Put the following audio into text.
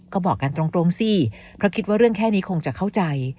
ก็บอกกันตรงสิเพราะคิดว่าเรื่องแค่นี้คงจะเข้าใจ